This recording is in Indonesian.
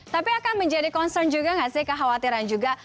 tapi akan menjadi concern juga nggak sih kekhawatiran juga